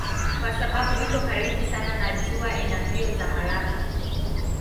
Kwa sababu iko karibu sana na jua ina mbio za haraka.